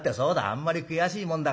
あんまり悔しいもんだからよ